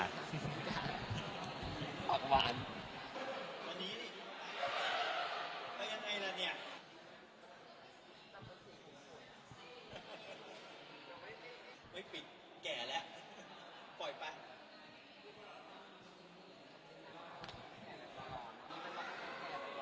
ขอออกโปรบ่าน